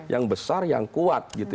yang besar yang kuat